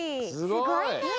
すごいね！